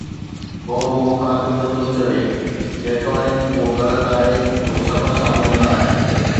ڪو به مخاطب نه ٿو چوي، جيتوڻيڪ اهو غلط آهي، اهي صبر سان ٻڌندا آهن